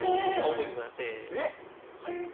覚えてください。